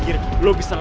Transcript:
ya ampun ya ampun